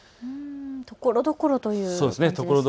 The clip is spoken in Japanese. ところどころという感じですね。